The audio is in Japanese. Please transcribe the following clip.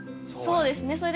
そうですね